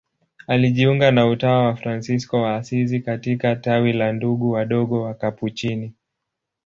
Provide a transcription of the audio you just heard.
Alijiunga na utawa wa Fransisko wa Asizi katika tawi la Ndugu Wadogo Wakapuchini.